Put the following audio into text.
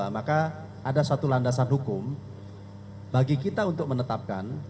maka ada suatu landasan hukum bagi kita untuk menetapkan